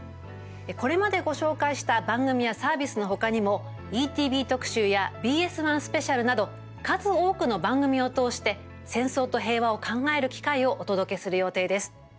これまで、ご紹介した番組やサービスのほかにも「ＥＴＶ特集」や「ＢＳ１スペシャル」など数多くの番組を通して戦争と平和を考える機会をお届けする予定です。